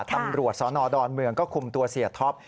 ตำรวจสนดอนเมืองก็คุมตัวเสียท็อป